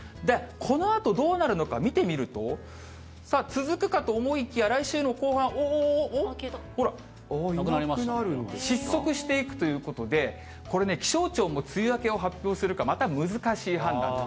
このあとどうなるのか、見てみると、続くかと思いきや、来週の後半、おお、おお？ほら、失速していくということで、これね、気象庁も梅雨明けを発表するかまた難しい判断と。